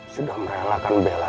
sudah merelahkan bella